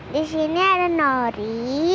disini ada nori